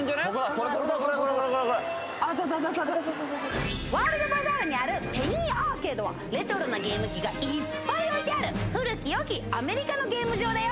ここだこれこれこれこれあったあったあったワールドバザールにあるペニーアーケードはレトロなゲーム機がいっぱい置いてある古きよきアメリカのゲーム場だよ